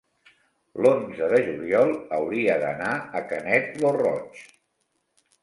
L'onze de juliol hauria d'anar a Canet lo Roig.